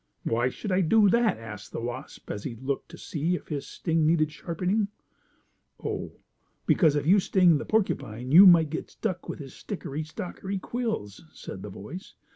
"Why should I do that?" asked the wasp, as he looked to see if his sting needed sharpening. "Oh, because if you sting the porcupine you might get stuck with his stickery stockery quills," said the voice.